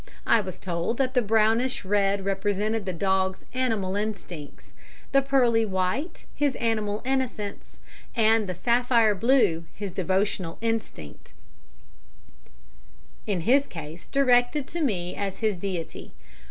I was told that the brownish red represented the dog's animal instincts, the pearly white his animal innocence, and the sapphire blue his devotional instinct, in his case directed to me as his deity.